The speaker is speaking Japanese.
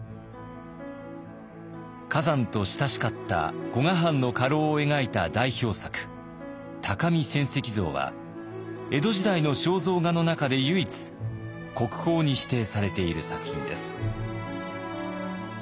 崋山と親しかった古河藩の家老を描いた代表作「鷹見泉石像」は江戸時代の肖像画の中で唯一国宝に指定されている作品です。